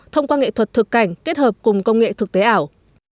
thông qua nghệ thuật thực cảnh kết hợp cùng công nghệ thực tế ảo